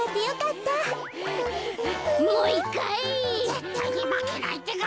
ぜったいにまけないってか！